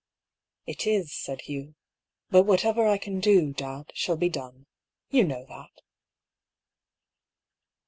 " It is," said Hugh. " But whatever I can do, dad, shall be done. You know that."